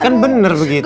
kan bener begitu